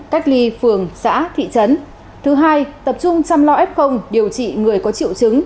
cách ly phường xã thị trấn thứ hai tập trung chăm lo f điều trị người có triệu chứng